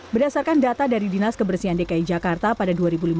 berdasarkan data dari dinas kebersihan dki jakarta pada dua ribu lima belas